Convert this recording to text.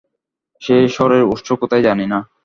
সে স্বরের উৎস কোথায় জানি না।